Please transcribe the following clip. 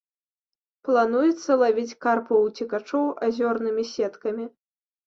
Плануецца лавіць карпаў-уцекачоў азёрнымі сеткамі.